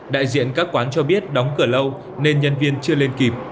đại diện các quán cho biết đóng cửa lâu nên nhân viên chưa lên kịp